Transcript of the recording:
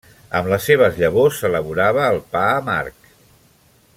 Amb les seves llavors s'elaborava el pa amarg.